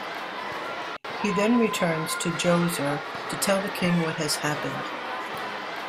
He then returns to Djoser to tell the king what has happened.